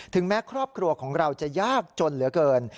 แม้ครอบครัวของเราจะยากจนเหลือเกิน